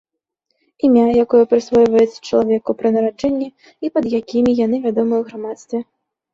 Імя, якое прысвойваецца чалавеку пры нараджэнні і пад якімі яны вядомыя ў грамадстве.